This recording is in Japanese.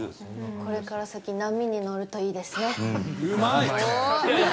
これから先、波に乗るといいうまい！